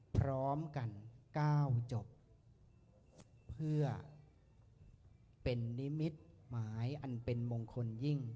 พร้อมกัน๙จบเพื่อเป็นนิมิตหมายอันเป็นมงคลยิ่ง